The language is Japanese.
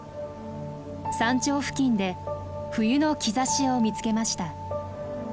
山頂付近で冬の兆しを見つけました。